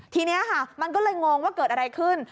ทีนี้ค่ะมันก็เลยงงว่าเกิดอะไรขึ้น